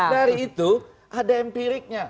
dari itu ada empiriknya